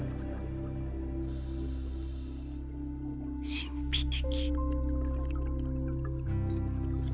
神秘的。